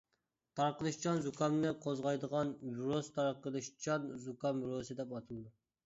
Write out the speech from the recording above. تارقىلىشچان زۇكامنى قوزغايدىغان ۋىرۇس تارقىلىشچان زۇكام ۋىرۇسى دەپ ئاتىلىدۇ.